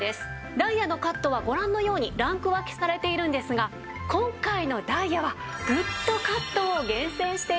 ダイヤのカットはご覧のようにランク分けされているんですが今回のダイヤはＧＯＯＤカットを厳選しています。